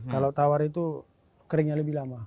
kalau tawar itu keringnya lebih lama